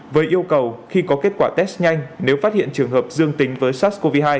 với yêu cầu khi có kết quả test nhanh nếu phát hiện trường hợp dương tính với sars cov hai